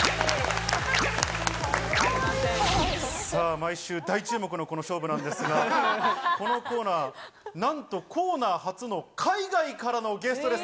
毎週、大注目のこの勝負なんですがこのコーナー、なんとコーナー初の海外からのゲストです。